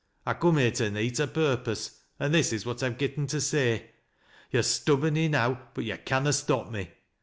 I coom here to neet a purpose, an' this is what I've getten to say. Yo're stub born enow, but yo' canna stop me.